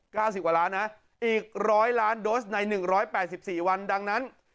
๙๐กว่าล้านนะฮะอีก๑๐๐ล้านโดสใน๑๘๔วันดังนั้น